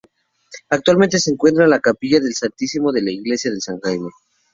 Actualmente se encuentran en la capilla del Santísimo de la iglesia de San Jaime.